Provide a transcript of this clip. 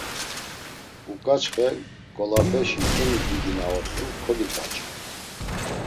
Uǩaçxe nǩolapeşi eni didi na ort̆u kodiǩaçu.